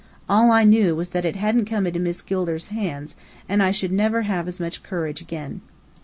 All I knew was that it hadn't come into Miss Gilder's hands; and I should never have as much courage again.